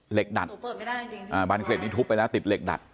เหล็กดัดบานเกร็ดนี้ทุบไปแล้วติดเหล็กดัด